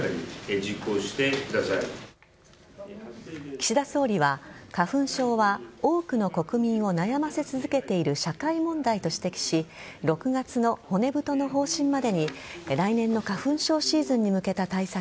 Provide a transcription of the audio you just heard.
岸田総理は花粉症は多くの国民を悩ませ続けている社会問題と指摘し６月の骨太の方針までに来年の花粉症シーズンに向けた対策